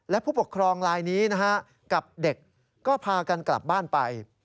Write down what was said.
และผู้ปกครองลายนี้นะฮะกับเด็กก็พากันกลับบ้านไป